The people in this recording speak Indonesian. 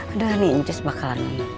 aduh anjus bakal